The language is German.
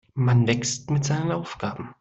Man wächst mit seinen Aufgaben.